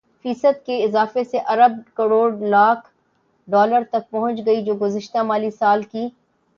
فیصد کے اضافے سے ارب کروڑ لاکھ ڈالر تک پہنچ گئی جو گزشتہ مالی سال کی